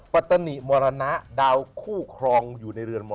ปัตนิมรณะดาวคู่ครองอยู่ในเรือนม